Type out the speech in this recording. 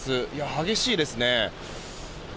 激しいですね。